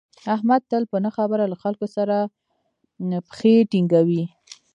احمد تل په نه خبره له خلکو سره پښې ټینگوي.